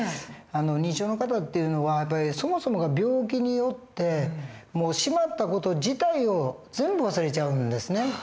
認知症の方っていうのはそもそもが病気によってしまった事自体を全部忘れちゃうんですね。